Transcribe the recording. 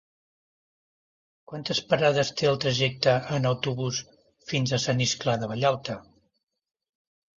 Quantes parades té el trajecte en autobús fins a Sant Iscle de Vallalta?